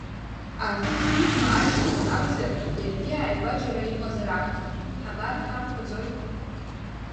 Арҭ ақәыџьма ашьҭақәа ракәзар, иаргьы ааигәа џьара иҟазар акәхап, ҳабар ҳамфаӡои?